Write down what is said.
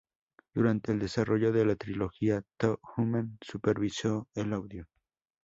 Durante el desarrollo de la trilogía "Too Human" supervisó el audio.